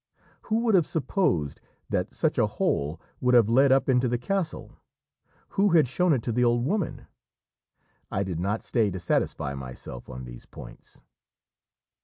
Who would have supposed that such a hole would have led up into the castle? Who had shown it to the old woman? I did not stay to satisfy myself on these points.